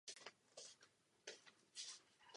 Někdo klade důraz na ochranu, jiný na svobodu.